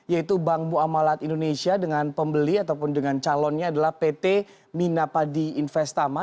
yaitu bank muamalat indonesia dengan pembeli ataupun dengan calonnya adalah pt minapadi investama